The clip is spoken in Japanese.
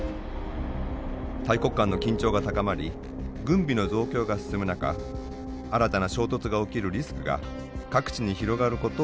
大国間の緊張が高まり軍備の増強が進む中新たな衝突が起きるリスクが各地に広がることを懸念しています。